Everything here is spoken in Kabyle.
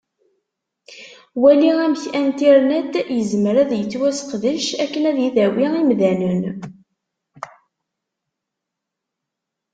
Wali amek Internet yezmer ad yettwaseqdec akken ad idawi imdanen.